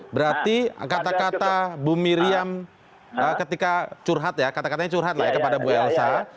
berarti kata kata bu miriam ketika curhat ya kata katanya curhat lah ya kepada bu elsa